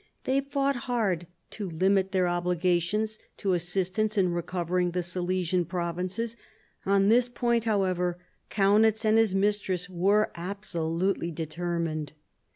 They fought hard to limit their obligations to assistance in recovering the Silesian provinces; on this point, however, Kaunitz and his mistress were absolutely determined.